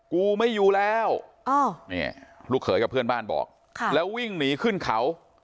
กูไม่อยู่แล้วนี่ลูกเขยกับเพื่อนบ้านบอกแล้ววิ่งหนีขึ้นเขา